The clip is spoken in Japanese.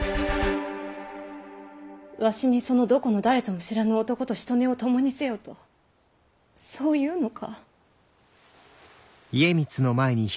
わしにそのどこの誰とも知らぬ男としとねを共にせよとそう言うのか？